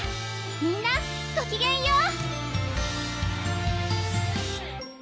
みんなごきげんよう！